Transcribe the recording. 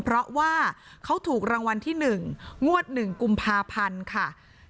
เพราะว่าเขาถูกรางวัลที่๑งวด๑กุมภาพันธ์ค่ะ